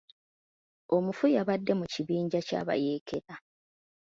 Omufu yabadde mu kibinja ky'abayeekera.